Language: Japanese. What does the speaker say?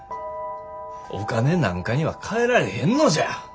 お金なんかにはかえられへんのじゃ。